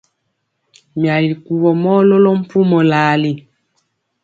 Myali kuvɔ mɔ lɔlɔ mpumɔ lali.